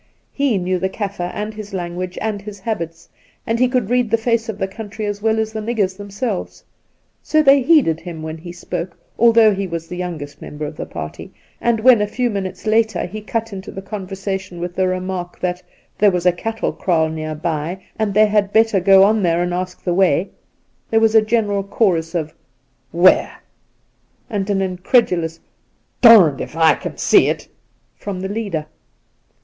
He knew the Kaffir and his language and his habits, and he could read the face of the country as well as the niggers themselves, so they heeded him when he spoke, although he was the youngest member of the party, and when a few minutes later he cut into the conversation with the remark that ' there was a cattle kraal near by and they had better go on there and ask the way,' there was a general chorus of ' Where ?' and an incredulous ' Darned if I can see it !' from the leader.